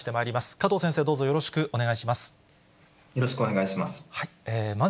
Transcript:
加藤先生、どうぞよろしくお願いよろしくお願いします。